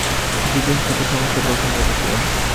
জীবদেহের কত শতাংশ প্রোটিন দিয়ে গঠিত?